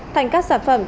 thành các sản phẩm